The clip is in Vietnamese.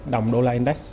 đồng đô la anh đấy